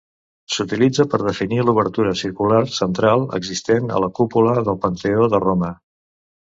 S'utilitza per definir l'obertura circular central existent a la cúpula del Panteó de Roma.